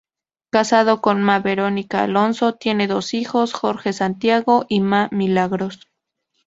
Casado con Mª Verónica Alonso, tiene dos hijos: Jorge Santiago y Mª Milagros.